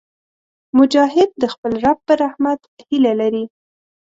مجاهد د خپل رب په رحمت هیله لري.